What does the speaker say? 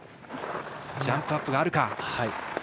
ジャンプアップがあるか。